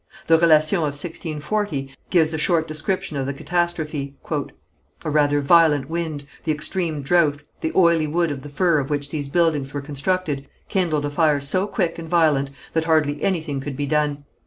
The Relation of 1640 gives a short description of the catastrophe: "A rather violent wind, the extreme drouth, the oily wood of the fir of which these buildings were constructed, kindled a fire so quick and violent that hardly anything could be done.